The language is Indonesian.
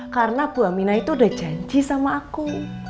karena buah minah itu udah janji sama aku